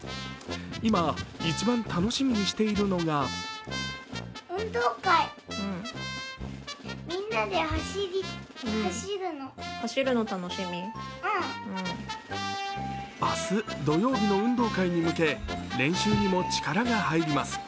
今、一番楽しみにしているのが明日土曜日の運動会に向け練習にも力が入ります。